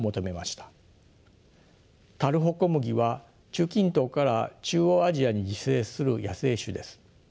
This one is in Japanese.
タルホコムギは中近東から中央アジアに自生する野生種です。